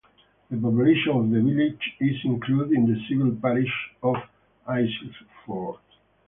The population of the village is included in the civil parish of Aylesford.